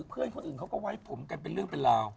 เพื่อนคนอื่นเขาก็ไว้ผมกันเป็นเรื่องเป็นราว